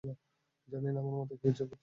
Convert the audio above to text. জানি না, আমার মাথায় যে কী ভূত চেপেছিল।